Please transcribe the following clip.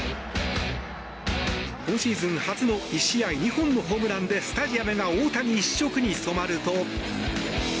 今シーズン初の１試合２本のホームランでスタジアムが大谷一色に染まると。